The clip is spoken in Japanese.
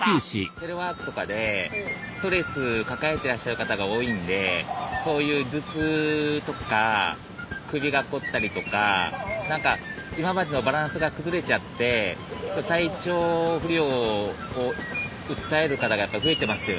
テレワークとかでストレス抱えてらっしゃる方が多いんでそういう頭痛とか首が凝ったりとか何か今までのバランスが崩れちゃって体調不良を訴える方がやっぱり増えてますよね。